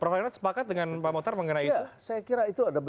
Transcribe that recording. prof herwat sepakat dengan pak motar mengenai itu